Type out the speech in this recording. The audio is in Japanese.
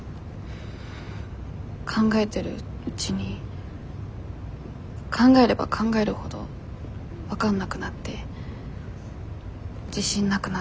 考えてるうちに考えれば考えるほど分かんなくなって自信なくなって。